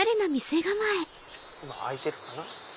今あいてるかな？